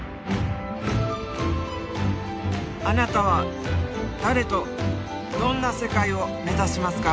あなたは誰とどんな世界を目指しますか？